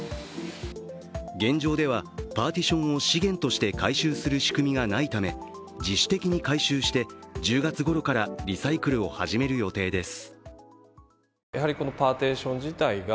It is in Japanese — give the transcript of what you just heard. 現状ではパーティションを資源として回収する仕組みがないため自主的に回収して１０月ごろからリサイクルを始める予定です。